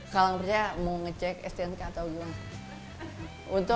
kalau nggak percaya mau ngecek stnk atau gimana